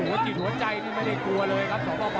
โอ้โหจิตหัวใจนี่ไม่ได้กลัวเลยครับสปลาว